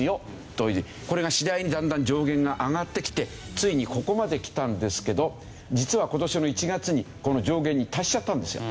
これが次第にだんだん上限が上がってきてついにここまで来たんですけど実は今年の１月にこの上限に達しちゃったんですよ。